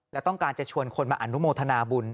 และต้องการจะชวนคนมาอนุโมทนาบุญ